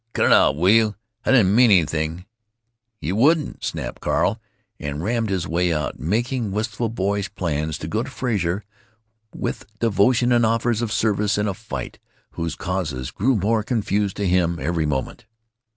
"Cut it out, will you! I didn't mean anything." "You wouldn't," snapped Carl, and rammed his way out, making wistful boyish plans to go to Frazer with devotion and offers of service in a fight whose causes grew more confused to him every moment.